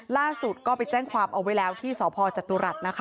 ล่าสุดก็ไปแจ้งความเอาไว้แล้วที่สพจตุรัสนะคะ